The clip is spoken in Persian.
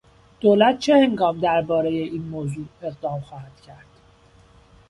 دولت چه هنگام دربارهی این موضوع اقدام خواهد کرد؟